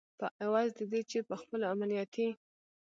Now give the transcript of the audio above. په عوض د دې چې په خپلو امنیتي